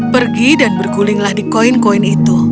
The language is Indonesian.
pergi dan bergulinglah di koin koin itu